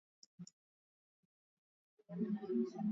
kila raia ana uhuru wa kutoa mawazo yake bila kuathiri sheria